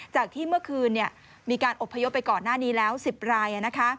จากที่เมื่อคืนมีการอบพยพไปก่อนหน้านี้แล้ว๑๐ราย